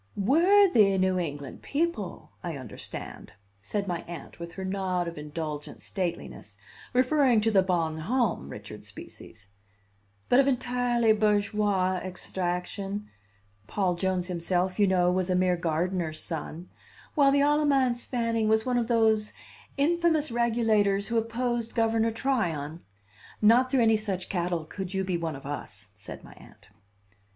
"Worthy New England people, I understand," said my Aunt with her nod of indulgent stateliness, referring to the Bon Homme Richard species, "but of entirely bourgeois extraction Paul Jones himself, you know, was a mere gardener's son while the Alamance Fanning was one of those infamous regulators who opposed Governor Tryon. Not through any such cattle could you be one of us," said my Aunt.